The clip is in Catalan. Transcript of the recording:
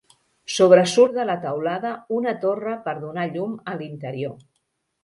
Sobresurt de la teulada una torre per donar llum a l'interior.